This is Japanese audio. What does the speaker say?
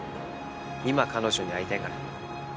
今彼女に会いたいから。